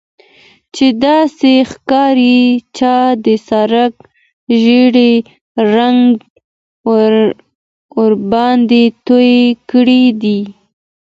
چې داسې ښکاري چا د سړک ژیړ رنګ ورباندې توی کړی دی